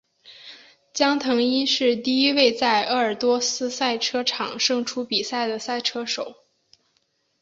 江腾一是第一位在鄂尔多斯赛车场胜出比赛的赛车手。